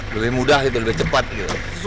lebih mudah gitu lebih cepat gitu